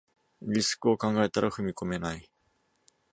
リスクを考えたら踏み込めない